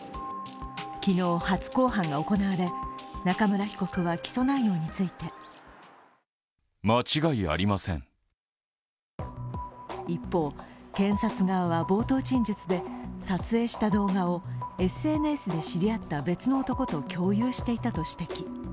昨日、初公判が行われ中村被告は起訴内容について一方、検察側は冒頭陳述で撮影した動画をＳＮＳで知り合った別の男と共有していたと指摘。